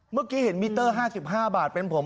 เมื่อกี้เห็นมิเตอร์๕๕บาทเป็นผม